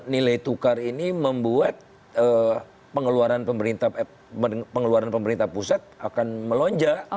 nilai tukar ini membuat pengeluaran pemerintah pusat akan melonjak